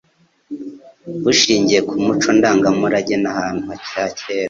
bushingiye ku muco ndangamurage n'ahantu ha kera